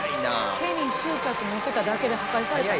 毛に執着持ってただけで破壊された。